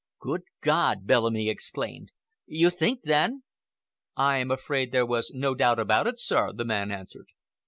"Good God!" Bellamy exclaimed. "You think, then,—" "I am afraid there was no doubt about it, sir," the man answered.